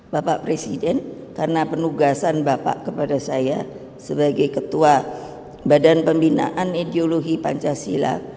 bapak presiden karena penugasan bapak kepada saya sebagai ketua badan pembinaan ideologi pancasila